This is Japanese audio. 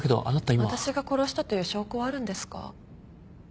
私が殺したという証拠はあるんですか？